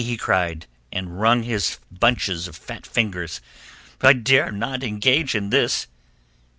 he cried, and wrung his bunches of fat fingers. "I dare not engage in this!"